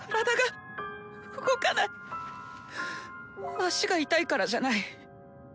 足が痛いからじゃない。